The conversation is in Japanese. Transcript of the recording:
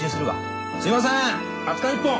すいません熱かん１本。